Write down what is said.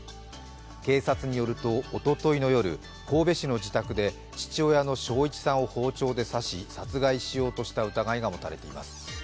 警察によるとおとといの夜、神戸市の自宅で父親の松一さんを包丁で刺し殺害しようとした疑いが持たれています。